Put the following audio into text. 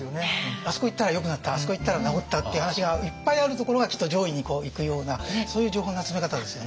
あそこ行ったらよくなったあそこ行ったら治ったっていう話がいっぱいあるところがきっと上位にいくようなそういう情報の集め方ですよね。